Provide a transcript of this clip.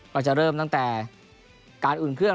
ก็จะเริ่มตั้งแต่การอุ่นเครื่อง